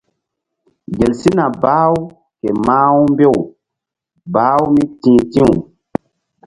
Gel sina bah-u ke mah-u mbew bah-u mí ti̧h ti̧w.